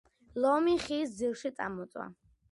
ლომი ხის ძირში წამოწვა